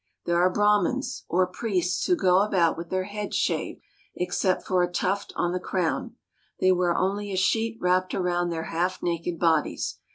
There are Brahmins or priests who go about with their heads shaved, except for a tuft on the crown; they wear only a sheet wrapped around their half naked bodies.